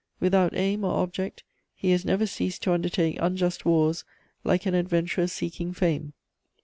Without aim or object, he has never ceased to undertake unjust wars, like an adventurer seeking fame.